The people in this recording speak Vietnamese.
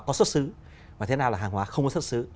có xuất xứ và thế nào là hàng hóa không có xuất xứ